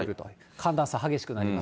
寒暖差激しくなります。